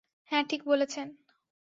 হ্যাঁ, ঠিক বলেছেন।